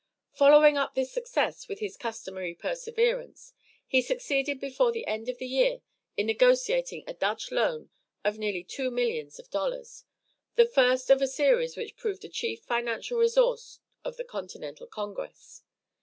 Following up this success with his CUSTOMARY PERSEVERENCE, he succeeded before the end of the year in negotiating a Dutch loan of nearly two millions of dollars, the first of a series which proved a chief financial resource of the continental congress.